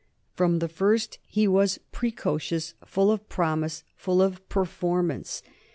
From the first he was precocious, full of promise, full of performance.